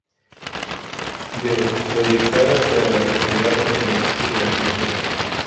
B.- Proyectar hacia la sociedad los beneficios de la cultura.